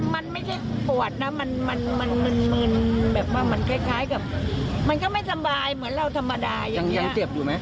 มันไม่ใช่ปวดนะมันมึนแบบว่ามันคล้ายกับมันก็ไม่สบายเหมือนเราธรรมดายังเจ็บอยู่ไหม